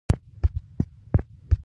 • د علیزي قوم خلک پر خپله ژبه فخر کوي.